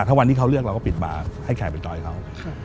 ถ้าวันที่เขาเลือกเราก็ปิดบากให้แขกไปต่อยเขา